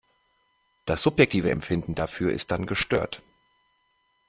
Das subjektive Empfinden dafür ist dann gestört.